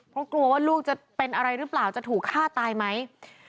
เพราะกลัวว่าลูกจะเป็นอะไรหรือเปล่าจะถูกฆ่าตายไหม